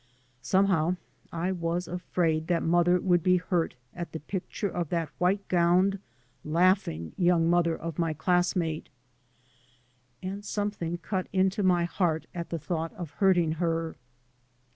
Somehow I was afraid that mother would be hurt at the picture of that white gowned, laughing, young mother of my class mate, and something cut into my heart at the thought of hurting her.